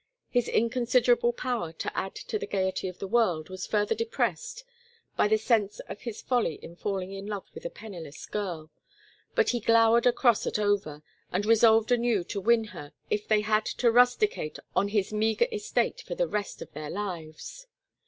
His inconsiderable power to add to the gayety of the world was further depressed by the sense of his folly in falling in love with a penniless girl, but he glowered across at Over and resolved anew to win her if they had to rusticate on his meagre estate for the rest of their lives.